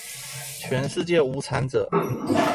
全世界無產者